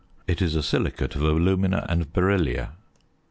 It is a silicate of alumina and beryllia.